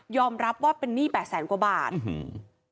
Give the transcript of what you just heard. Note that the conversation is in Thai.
ยอมรับว่าเป็นหนี้แปดแสนกว่าบาทอืม